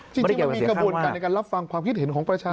จริงมันมีกระบวนการในการรับฟังความคิดเห็นของประชาชน